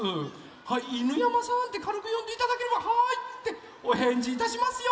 はい「犬山さん」ってかるくよんでいただければ「はい」っておへんじいたしますよ！